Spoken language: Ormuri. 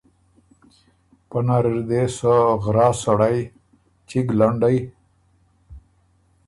پۀ منځ نر اِر دې سۀ غراس سړئ چِګ لنډئ،